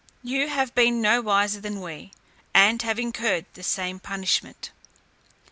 You have been no wiser than we, and have incurred the same punishment.